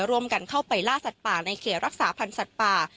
ร่วมกันเข้าไปล่าสัตว์ป่าในเขตรักษาพันธ์สัตว์ป่า